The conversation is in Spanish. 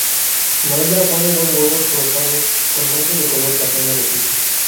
La hembra pone dos huevos rosados con manchas de color castaño rojizo.